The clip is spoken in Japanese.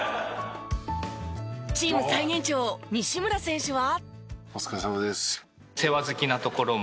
チーム最年長西村選手は。